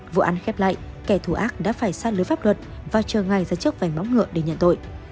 vụ ăn khép lại kẻ thù ác đã phải xác lưới pháp luật và chờ ngay ra trước vài móng ngựa để nhận tội